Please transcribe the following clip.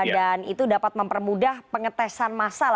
dan itu dapat mempermudah pengetesan masal